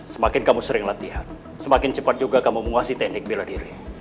semakin kamu sering latihan semakin cepat juga kamu menguasai teknik bela diri